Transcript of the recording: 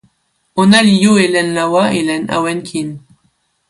ona li jo e len lawa e len awen kin.